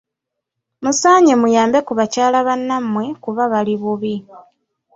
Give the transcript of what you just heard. Musaanye muyambe ku bakyala bannamwe kuba bali bubi